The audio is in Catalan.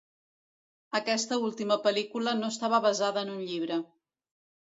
Aquesta última pel·lícula no estava basada en un llibre.